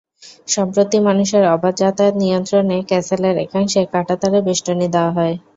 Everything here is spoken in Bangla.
সম্প্রতি মানুষের অবাধ যাতায়াত নিয়ন্ত্রণে ক্যাসেলের একাংশে কাঁটাতারের বেষ্টনী দেওয়া হয়।